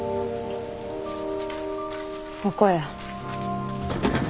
ここや。